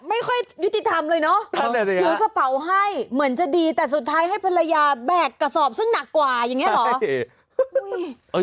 ไม่ได้ยุติธรรมเลยเนอะถือกระเป๋าให้เหมือนจะดีแต่สุดท้ายให้ภรรยาแบกกระสอบซึ่งหนักกว่าอย่างนี้เหรอ